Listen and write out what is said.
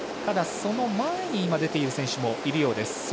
ただ、その前に出ている選手もいるようです。